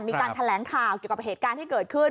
มีการแถลงข่าวเกี่ยวกับเหตุการณ์ที่เกิดขึ้น